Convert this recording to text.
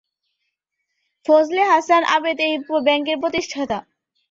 ফজলে হাসান আবেদ এই ব্যাংকের প্রতিষ্ঠাতা।